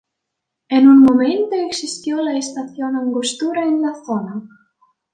En un momento, existió la estación Angostura en la zona.